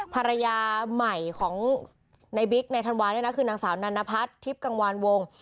ภรรยาใหม่ของในบิ๊กในธันวาเนี่ยนะคือนางสาวนันนพัฒน์ทิพย์กังวานวง